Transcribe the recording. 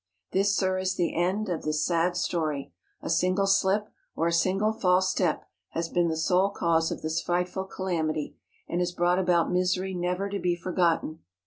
This, sir, is the end of this sad story. A single slip, or a single false step, has been the sole cause of this frightful calamity, and has brought about misery never to be forgotten.